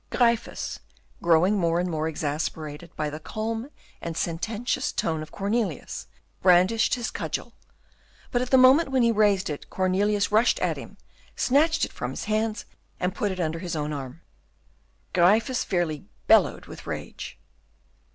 '" Gryphus, growing more and more exasperated by the calm and sententious tone of Cornelius, brandished his cudgel, but at the moment when he raised it Cornelius rushed at him, snatched it from his hands, and put it under his own arm. Gryphus fairly bellowed with rage.